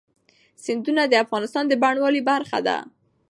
سیندونه د افغانستان د بڼوالۍ برخه ده.